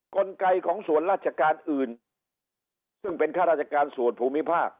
กลไกของส่วนราชการอื่นซึ่งเป็นข้าราชการส่วนภูมิภาค